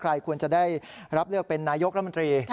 ใครควรจะได้รับเลือกเป็นนายกรัฐมนตรี